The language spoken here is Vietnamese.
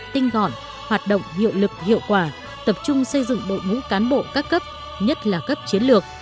tinh gọn hoạt động hiệu lực hiệu quả tập trung xây dựng đội ngũ cán bộ các cấp nhất là cấp chiến lược